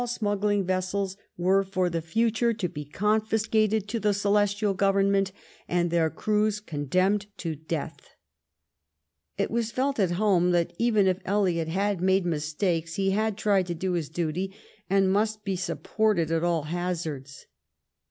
smuggling vessels were for the fiitare to be oonfisoate^ to the Celestial Ooveroment and their crews condemned to death* It was felt at home that, even if Elliot had made mistakes, he had tried to do his duty, and must be supported at all hazards.